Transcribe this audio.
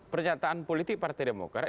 pernyataan politik partai demokrat